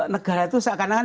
negara itu seakan akan